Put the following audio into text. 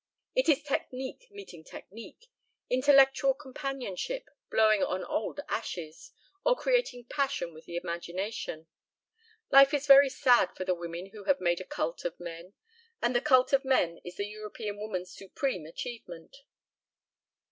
It is technique meeting technique, intellectual companionship, blowing on old ashes or creating passion with the imagination. Life is very sad for the women who have made a cult of men, and the cult of men is the European woman's supreme achievement."